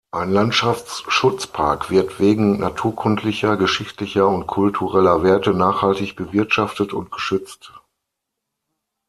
Ein Landschaftsschutzpark wird wegen naturkundlicher, geschichtlicher und kultureller Werte nachhaltig bewirtschaftet und geschützt.